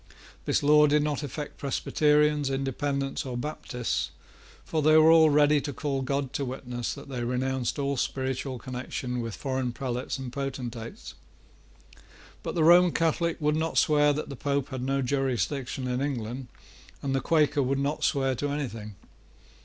This law did not affect Presbyterians, Independents, or Baptists; for they were all ready to call God to witness that they renounced all spiritual connection with foreign prelates and potentates. But the Roman Catholic would not swear that the Pope had no jurisdiction in England, and the Quaker would not swear to anything.